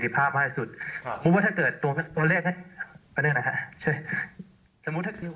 เพราะว่าวัคซีนก็ต้องใช้สถิติภาพมากที่สุด